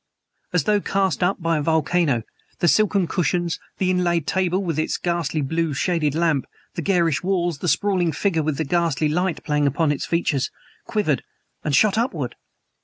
As though cast up by a volcano, the silken cushions, the inlaid table with its blue shaded lamp, the garish walls, the sprawling figure with the ghastly light playing upon its features quivered, and shot upward!